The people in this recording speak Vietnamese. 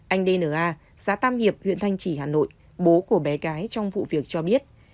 anh dna xã tam hiệp huyện thanh trì hà nội bố của bé gái trong vụ việc cho biết